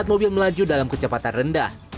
kondisi mobil tersebut berada dalam kecepatan rendah